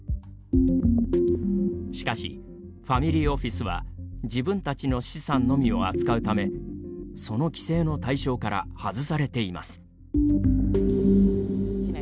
しかし、ファミリーオフィスは自分たちの資産のみを扱うためその規制の対象から外されています。